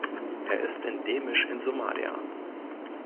Er ist endemisch in Somalia.